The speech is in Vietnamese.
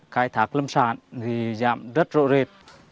khai thác lâm sản thì giảm rất rộ rệt